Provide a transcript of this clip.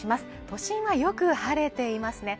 都心はよく晴れていますね